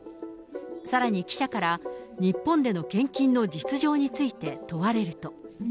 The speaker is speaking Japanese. さらに記者から、日本での献金の実情について問われると。